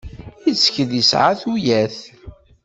Yettkel yesɛa tuyat.